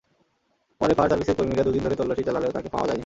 পরে ফায়ার সার্ভিসের কর্মীরা দুদিন ধরে তল্লাশি চালালেও তাঁকে পাওয়া যায়নি।